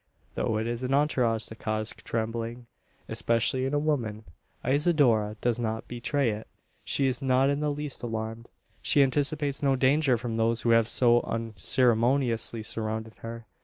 Though it is an entourage to cause trembling especially in a woman Isidora does not betray it. She is not in the least alarmed. She anticipates no danger from those who have so unceremoniously surrounded her.